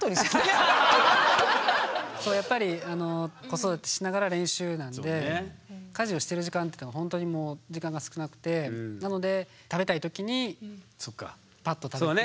やっぱり子育てしながら練習なんで家事をしてる時間って本当にもう時間が少なくてなので食べたい時にぱっと食べて。